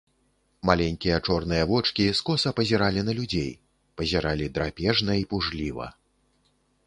Маленькія чорныя вочкі скоса пазіралі на людзей, пазіралі драпежна і пужліва.